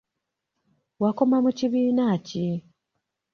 Wakoma mu kibiina ki?